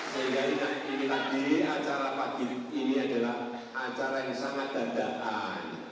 sehingga ini lagi acara pagi ini adalah acara yang sangat dadaan